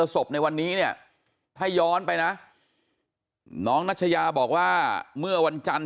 ศพในวันนี้เนี่ยถ้าย้อนไปนะน้องนัชยาบอกว่าเมื่อวันจันทร์